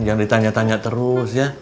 jangan ditanya tanya terus ya